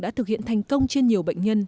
đã thực hiện thành công trên nhiều bệnh nhân